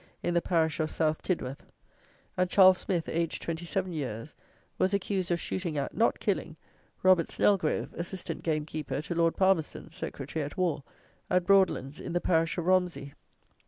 in the parish of South Tidworth; and Charles Smith, aged 27 years, was accused of shooting at (not killing) Robert Snellgrove, assistant gamekeeper to Lord Palmerston (Secretary at War), at Broadlands, in the parish of Romsey.